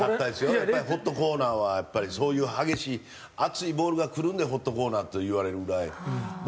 やっぱりホットコーナーはやっぱりそういう激しい熱いボールがくるんでホットコーナーといわれるぐらい。